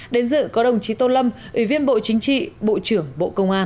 đến dự có đồng chí tô lâm ủy viên bộ chính trị bộ trưởng bộ công an